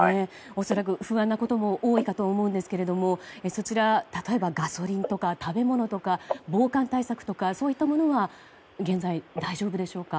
恐らく不安なことも多いかと思うんですけどもそちら、例えばガソリンとか食べ物とか、防寒対策とかそういったものは現在、大丈夫でしょうか？